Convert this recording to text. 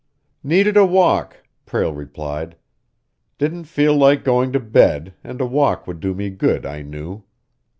"Needed a walk," Prale replied. "Didn't feel like going to bed, and a walk would do me good, I knew."